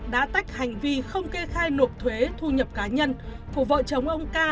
đã tách hành vi không kê khai nộp thuế thu nhập cá nhân của vợ chồng ông ca